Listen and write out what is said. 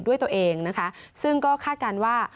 ด้วยตัวเองนะคะซึ่งก็คาดการณ์ว่า